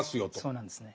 そうなんですね。